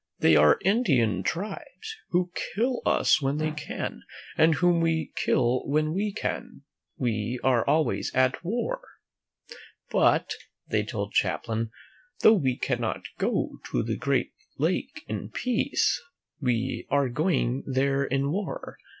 They are Indian tribes who kill us when they can, and whom we kill when we can. We are always at war. " But," they told Champlain, "though we cannot go to the great lake in peace, we are going there in war.